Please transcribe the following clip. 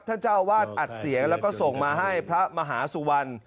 เจ้าอาวาสอัดเสียงแล้วก็ส่งมาให้พระมหาสุวรรณ